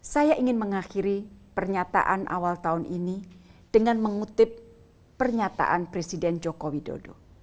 saya ingin mengakhiri pernyataan awal tahun ini dengan mengutip pernyataan presiden joko widodo